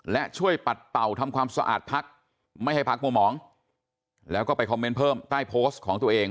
และช่วยปัดเป่าทำความสะอาดพักไม่ให้พักมัวหมองแล้วก็ไปคอมเมนต์เพิ่มใต้โพสต์ของตัวเอง